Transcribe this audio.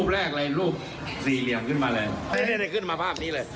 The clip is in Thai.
ไม่ใดขึ้นมาภาพนี้เลย